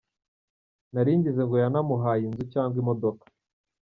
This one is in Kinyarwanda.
Naringize ngo yanamuhaye inzu cg imodoka!!.